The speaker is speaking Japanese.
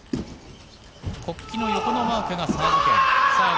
国旗の横のマークがサーブ権。